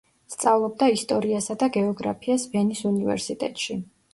სწავლობდა ისტორიასა და გეოგრაფიას ვენის უნივერსიტეტში.